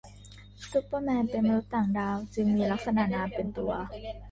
ซูเปอร์แมนเป็นมนุษย์ต่างดาว จึงมีลักษณะนามเป็นตัว